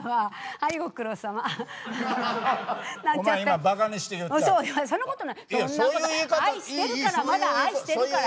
愛してるからまだ愛してるから。